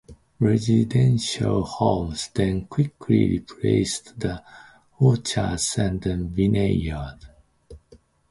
Residential homes then quickly replaced the orchards and vineyards.